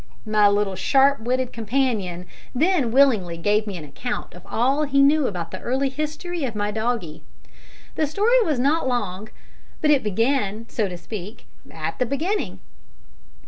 My little sharp witted companion then willingly gave me an account of all he knew about the early history of my doggie. The story was not long, but it began, so to speak, at the beginning.